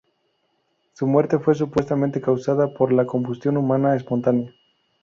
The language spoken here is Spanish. Su muerte fue supuestamente causada por la combustión humana espontánea.